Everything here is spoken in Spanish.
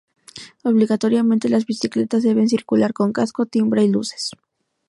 Obligatoriamente, las bicicletas deben circular con casco, timbre y luces.